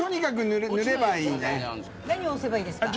何を押せばいいですか。